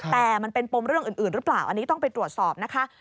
แต่มันเป็นปมเรื่องอื่นหรือเปล่าอันนี้ต้องไปตรวจสอบนะคะ